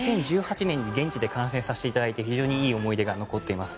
２０１８年に現地で観戦させていただいて非常にいい思い出が残っています。